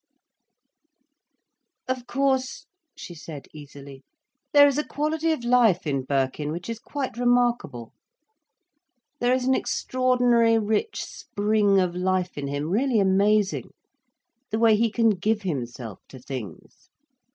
"Of course," she said easily, "there is a quality of life in Birkin which is quite remarkable. There is an extraordinary rich spring of life in him, really amazing, the way he can give himself to things.